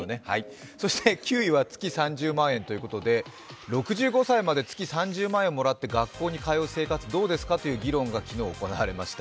そして９位は月３０万円ということで６５歳まで月３０万円もらって学校に通う生活どうですかという議論が昨日行われました。